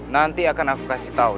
nanti akan aku kasih tahu